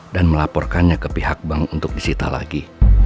dan melaporkannya ke pihak bank untuk disita lagi